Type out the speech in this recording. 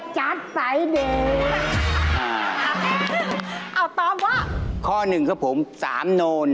ใจเดียวอันนี้ครับผม